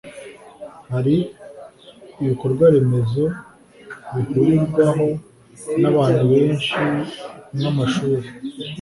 hari ibikorwaremezo bihurirwaho nabantu benshi nkamashuri